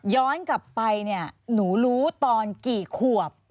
ย้อนกลับไปเนี่ยหนูรู้ตอนกี่ขวบ